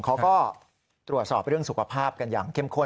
เขาก็ตรวจสอบเรื่องสุขภาพกันอย่างเข้มข้น